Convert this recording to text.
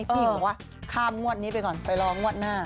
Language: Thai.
พี่หญิงบอกว่าข้ามงวดนี้ไปก่อนไปรองวดหน้า